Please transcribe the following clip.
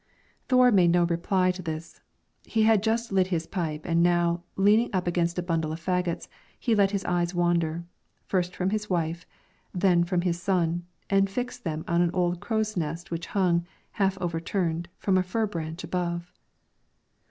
Thore made no reply to this; he had just lit his pipe, and now, leaning up against a bundle of fagots, he let his eyes wander, first from his wife, then from his son, and fixed them on an old crow's nest which hung, half overturned, from a fir branch above.